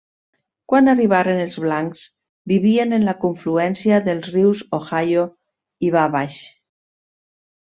Quan arribaren els blancs vivien en la confluència dels rius Ohio i Wabash.